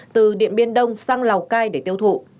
từ điện biên đông sang lào cai để tiêu thụ